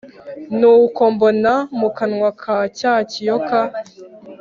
Nuko mbona mu kanwa ka cya kiyoka